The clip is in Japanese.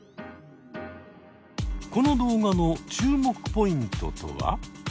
この動画の注目ポイントとは？